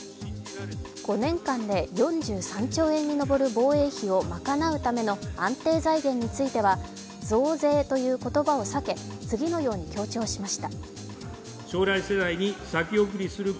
５年間で４３兆円に上る防衛費を賄うための安定財源については「増税」という言葉を避け、次のように強調しました。